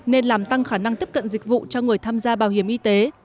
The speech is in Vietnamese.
nên làm tăng khả năng tiếp cận dịch vụ cho người tham gia bảo hiểm y tế